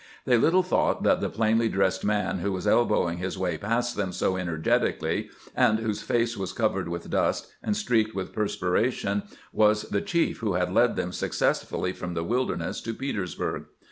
They little thought that the plainly dressed man who was elbowing his way past them so energetically, and whose face was covered with dust and streaked with perspiration, was the chief who had led them success fully from the Wilderness to Petersburg.